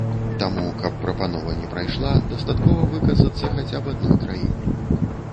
Таму, каб прапанова не прайшла, дастаткова выказацца хаця б адной краіне.